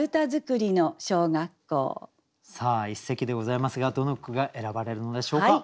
さあ一席でございますがどの句が選ばれるのでしょうか。